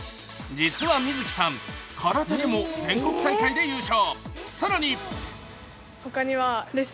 実はみず希さん、空手でも全国大会で優勝。